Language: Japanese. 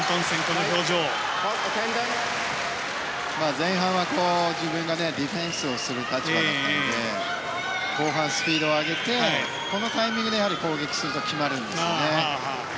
前半は自分がディフェンスをする立場だったので後半、スピードを上げてこのタイミングで攻撃すると決まるんですね。